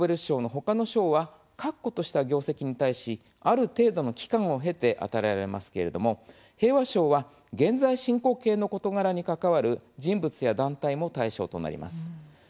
ノーベル賞のほかの賞は確固とした業績に対しある程度の期間を経て与えられますけれども平和賞は現在進行形の事柄に関わる人物や団体も対象となります。